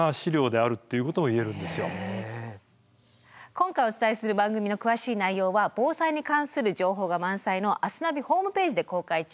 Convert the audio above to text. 今回お伝えする番組の詳しい内容は防災に関する情報が満載の「明日ナビ」ホームページで公開中です。